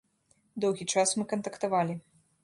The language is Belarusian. Доўгі час мы кантактавалі.